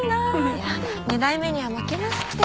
いや二代目には負けますって。